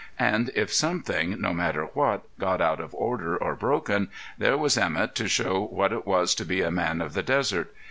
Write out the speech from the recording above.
And if something, no matter what, got out of order or broken, there was Emett to show what it was to be a man of the desert.